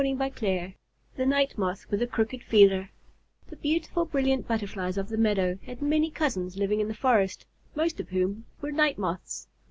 THE NIGHT MOTH WITH A CROOKED FEELER The beautiful, brilliant Butterflies of the Meadow had many cousins living in the forest, most of whom were Night Moths.